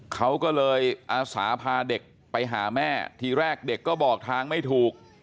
เขาก็เลยอาสาพาเด็กไปหาแม่ทีแรกเด็กก็บอกทางไม่ถูก